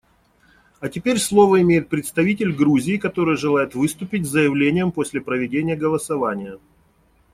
А теперь слово имеет представитель Грузии, который желает выступить с заявлением после проведения голосования.